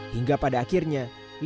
hingga pada akhirnya